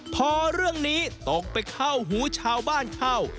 พอเรื่องนี้ตกไปเข้าหูชาวบ้านเข้า